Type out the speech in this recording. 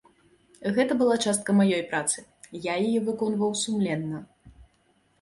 Гэта была частка маёй працы, я яе выконваў сумленна.